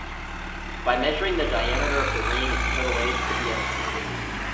By measuring the diameter of the ring, its total age could be estimated.